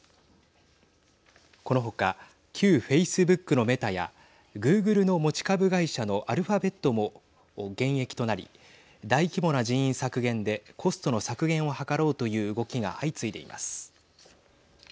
この他旧フェイスブックのメタやグーグルの持ち株会社のアルファベットも減益となり大規模な人員削減でコストの削減を図ろうという動きが相次いでいます。